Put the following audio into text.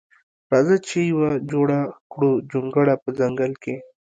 راځه چې یوه جوړه کړو جونګړه په ځنګل کښې